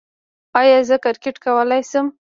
ایا زه کرکټ کولی شم؟